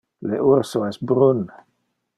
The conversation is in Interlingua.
Le urso es brun.